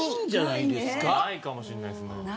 ないかもしれないですね。